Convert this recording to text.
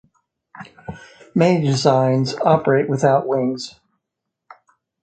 Many designs operate without wings.